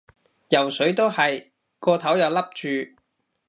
游水都係，個頭又笠住